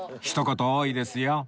ひと言多いですよ